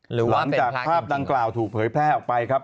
หลังจากภาพดังกล่าวถูกเผยแพร่ออกไปครับ